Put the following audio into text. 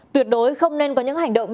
tuyệt đối không nên có những hành động